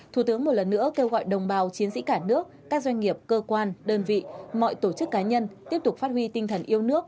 thủ tướng một lần nữa kêu gọi đồng bào chiến sĩ cả nước các doanh nghiệp cơ quan đơn vị mọi tổ chức cá nhân